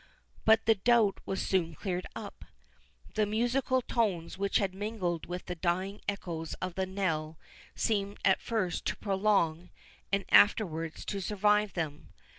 But the doubt was soon cleared up. The musical tones which had mingled with the dying echoes of the knell, seemed at first to prolong, and afterwards to survive them.